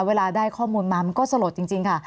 เวลาได้ข้อมูลมามันก็สลดจริงค่ะ